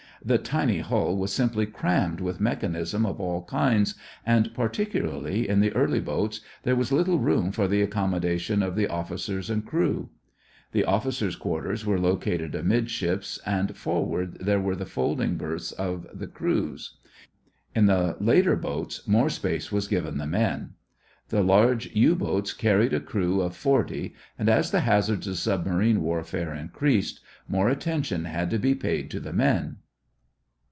The tiny hull was simply crammed with mechanism of all kinds and particularly in the early boats there was little room for the accommodation of the officers and crew. The officers' quarters were located amidships, and forward there were the folding berths of the crews. In the later boats more space was given the men. The large U boats carried a crew of forty and as the hazards of submarine warfare increased, more attention had to be paid to the men.